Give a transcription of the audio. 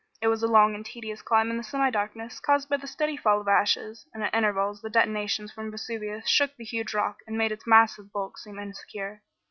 It was a long and tedious climb in the semi darkness caused by the steady fall of ashes, and at intervals the detonations from Vesuvius shook the huge rock and made its massive bulk seem insecure.